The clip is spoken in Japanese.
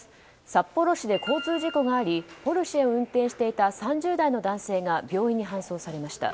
札幌市で交通事故がありポルシェを運転していた３０代の男性が病院に搬送されました。